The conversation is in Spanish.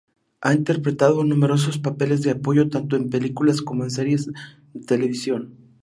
Ha interpretado numerosos papeles de apoyo tanto en películas como en series de televisión.